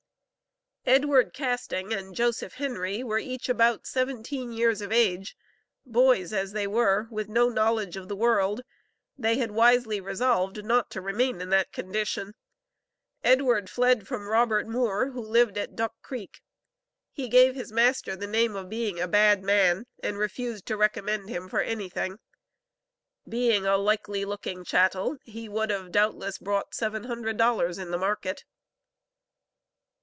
Edward Casting and Joseph Henry were each about seventeen years of age. Boys, as they were, with no knowledge of the world, they had wisely resolved not to remain in that condition. Edward fled from Robert Moore, who lived at Duck Creek. He gave his master the name of being a "bad man," and refused to recommend him for anything. Being a likely looking chattel, he would have doubtless brought seven hundred dollars in the market.